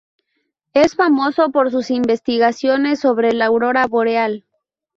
Es famoso por sus investigaciones sobre la aurora boreal.